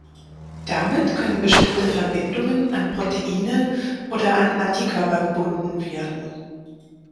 Damit können bestimmte Verbindungen an Proteine oder an Antikörper gebunden werden.